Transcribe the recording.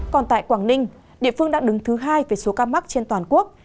còn tại quảng ninh địa phương đã đứng thứ hai về số ca mắc trên toàn quốc